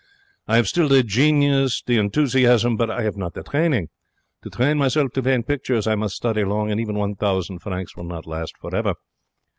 I have still the genius, the ent'usiasm, but I have not the training. To train myself to paint pictures I must study long, and even one thousand francs will not last for ever.